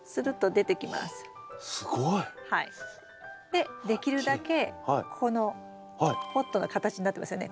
でできるだけこのポットの形になってますよね？